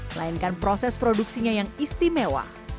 melainkan proses produksinya yang istimewa